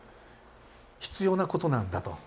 必要なことなんだと。